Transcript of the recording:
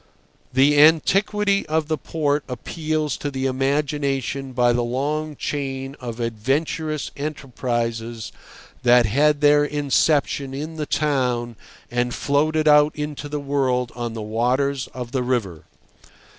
The antiquity of the port appeals to the imagination by the long chain of adventurous enterprises that had their inception in the town and floated out into the world on the waters of the river.